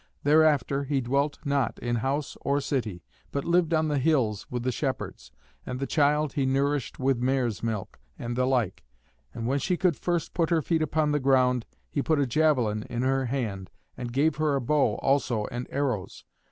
Thereafter he dwelt not in house or city, but lived on the hills with the shepherds. And the child he nourished with mare's milk, and the like. And when she could first put her feet upon the ground, he put a javelin in her hand, and gave her a bow also and arrows.